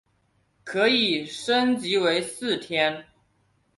可以升级成为四天。